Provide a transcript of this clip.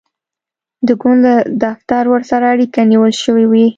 د ګوند له دفتره ورسره اړیکه نیول شوې وي.